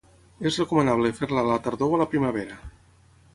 És recomanable fer-la a la tardor o a la primavera